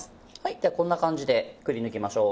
ではこんな感じでくりぬきましょう。